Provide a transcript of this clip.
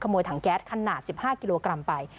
ยถังแก๊สขนาด๑๕กิโลกรัมไป